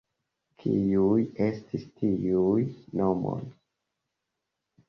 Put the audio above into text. Kiuj estis tiuj nomoj?